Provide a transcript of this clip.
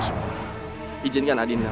selamatkan diri kita